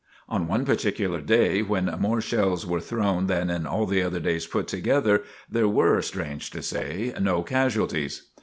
On one particular day when more shells were thrown than in all the other days put together, there were, strange to say, no casualties.